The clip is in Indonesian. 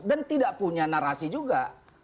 dan tidak punya narasi juga